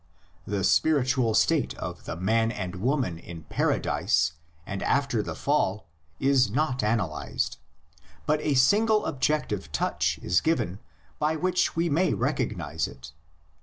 The spiritual state of the man and woman in Paradise and after the Fall is not analysed, but a single objective touch is given by which we may recognise it.